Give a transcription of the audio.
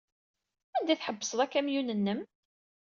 Anda ay tḥebbsed akamyun-nnem?